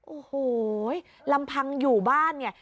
โอ้โหลำพังอยู่บ้านเนี่ย